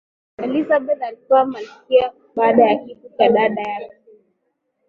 elizabeth alikuwa malkia baada ya kifo cha dada yake